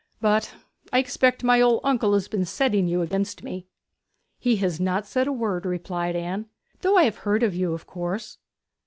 But I expect my old uncle has been setting you against me.' 'He has not said a word,' replied Anne; 'though I have heard of you, of course.'